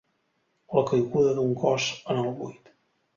La caiguda d'un cos en el buit.